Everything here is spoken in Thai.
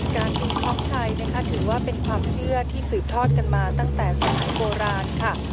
การตีกลองใช้ถือว่าเป็นความเชื่อที่สืบทอดกันมาตั้งแต่สมัยโบราณค่ะ